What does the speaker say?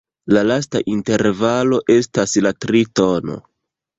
La lasta intervalo estas la tritono.